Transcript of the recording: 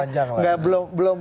panjang lah ya